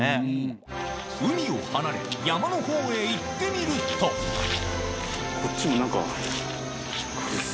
海を離れ山のほうへ行ってみるとこっちも何か。